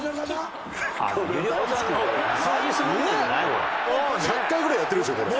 これ」１００回ぐらいやってるでしょこれ。